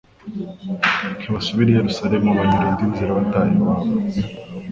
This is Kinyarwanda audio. Ntibasubira i Yerusalemu banyura indi nzira bataha iwabo.